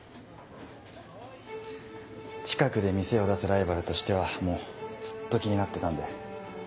近くで店を出すライバルとしてはもうずっと気になってたんで。